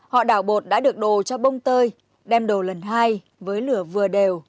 họ đảo bột đã được đồ cho bông tơi đem đồ lần hai với lửa vừa đều